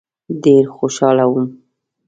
ډېر خوشاله وم.